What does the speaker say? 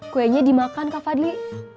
kuenya dimakan kak fadli